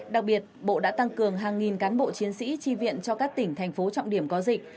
đặc biệt bộ đã tăng cường hàng nghìn cán bộ chiến sĩ tri viện cho các tỉnh thành phố trọng điểm có dịch